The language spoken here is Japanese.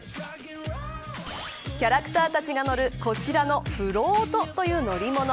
キャラクターたちが乗るこちらのフロートという乗り物。